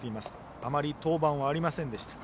あまり登板はありませんでした。